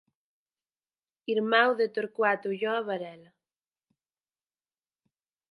Irmán de Torcuato Ulloa Varela.